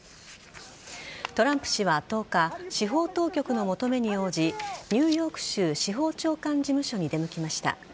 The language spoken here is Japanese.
トランプ氏は１０日司法当局の求めに応じニューヨーク州司法長官事務所に出向きました。